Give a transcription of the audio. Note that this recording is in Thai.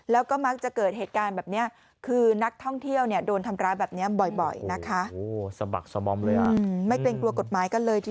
แล้วก็ชอบอ้ากบอกว่า